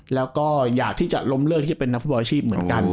แล้วก็อยากที่จะล้มเลิกที่จะเป็นนักฟุตบอลอาชีพเหมือนกัน